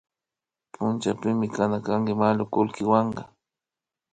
Punllapimi kana kanki manukulkiwanka